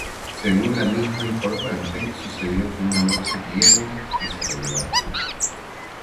Según la misma informante, sucedió que “"una noche vinieron y se lo llevaron.